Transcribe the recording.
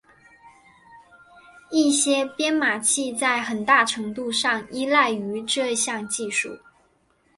一些编码器在很大程度上依赖于这项技术。